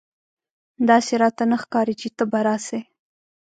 داسي راته نه ښکاري چې ته به راسې !